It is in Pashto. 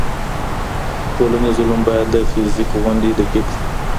ټولنيز علوم بايد د فزيک غوندې دقيق سي.